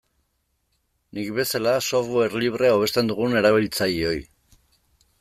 Nik bezala software librea hobesten dugun erabiltzaileoi.